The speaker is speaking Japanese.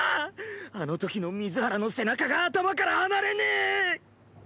あのときの水原の背中が頭から離れねぇ！